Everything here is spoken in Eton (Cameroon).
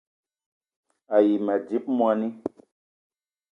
A yi ma dzip moni